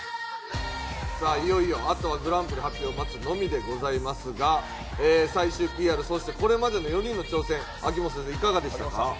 さあ、いよいよあとはグランプリ発表を待つのみですが、最終ＰＲ、そしてこれまでの４人の挑戦、秋元先生、いかがでしたか？